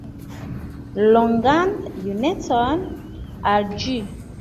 Longan junecon al ĝi!